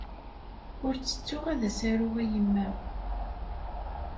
Ur ttettuɣ ad as-aruɣ i yemma.